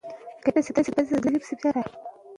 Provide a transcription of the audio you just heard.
اقتصاد د افرادو پریکړې مطالعه کوي.